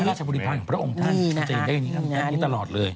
พระราชบุริภาคของพระองค์ท่านจะยินได้อย่างนี้ตลอดเลย